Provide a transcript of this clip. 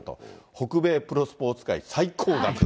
北米プロスポーツ界最高額。